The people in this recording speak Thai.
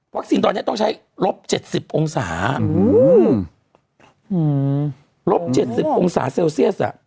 ตอนนี้ต้องใช้ลบ๗๐องศาลบ๗๐องศาเซลเซียส